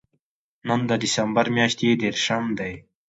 نن د دېسمبر میاشتې درېرشم دی